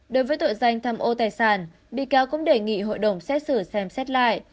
đối với tội danh tham ô tài sản bị cáo cũng đề nghị hội đồng xét xử xem xét lại